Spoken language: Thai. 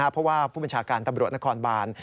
เพราะว่าผู้บัญชาการตำรวจนครบาน